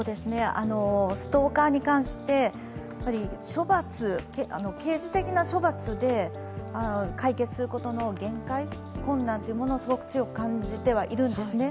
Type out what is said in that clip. ストーカーに関して、刑事的な処罰で解決することの限界、困難をすごく強く感じてはいるんですね。